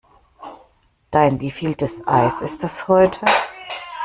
Dein wievieltes Eis ist das heute?